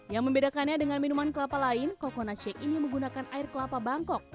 yang membedakannya dengan minuman kelapa lain coconut shake ini menggunakan air kelapa bangkok